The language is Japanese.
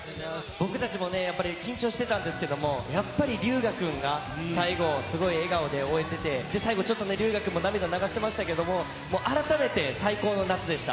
僕たちも緊張していたんですけれど、やっぱり龍芽くんが最後、すごい笑顔で終えて、龍芽くんも涙を流していましたけれど、改めて最高の夏でした。